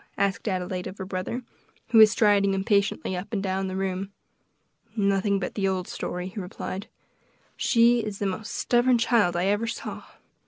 asked Adelaide of her brother, who was striding impatiently up and down the room. "Nothing but the old story," he replied; "she is the most stubborn child I ever saw.